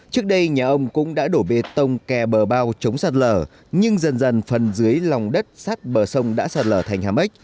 trước đây nhà ông cũng đã đổ bê tông kè bờ bao chống sạt lở nhưng dần dần phần dưới lòng đất sát bờ sông đã sạt lở thành hàm ếch